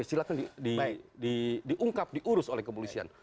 silahkan diungkap diurus oleh kepolisian